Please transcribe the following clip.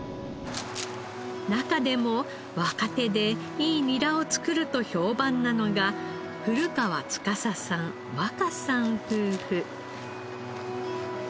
中でも若手でいいニラを作ると評判なのが古川司さん和佳さん夫婦。